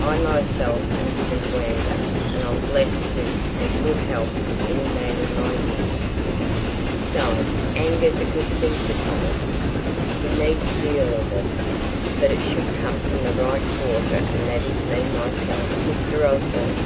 I myself am given to anger; and I'm blessed with as good health as any man in my years. Besides, anger's a good thing for Thomas. He needs a deal of it. But it should come from the right quarter and that is me, myself, Mr. Osborne.